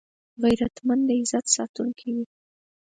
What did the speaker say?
غیرتمند د عزت ساتونکی وي